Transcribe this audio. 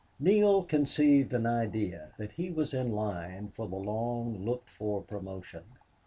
23 Neale conceived an idea that he was in line for the long looked for promotion.